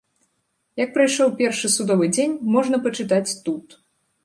Як прайшоў першы судовы дзень можна пачытаць тут!